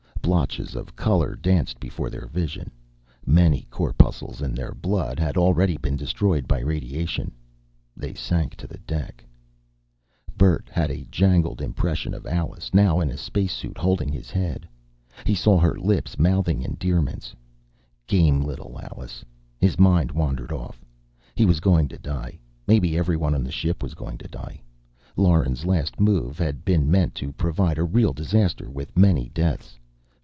Blotches of color danced before their vision. Many corpuscles in their blood had already been destroyed by radiation. They sank to the deck. Bert had a jangled impression of Alice, now in a spacesuit, holding his head. He saw her lips mouthing endearments.... Game little Allie.... His mind wandered off. He was going to die. Maybe everyone on the ship was going to die. Lauren's last move had been meant to provide a real disaster, with many deaths!